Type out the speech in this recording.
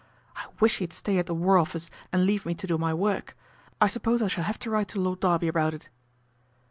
" I wish he'd stay at the War Office and leave me to do my work. I suppose I shall have to write to Lord Derby about it."